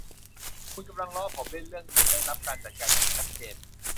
คุณกำลังล้อผมเล่น เรื่องอื่นได้รับการจัดการอย่างชัดเจน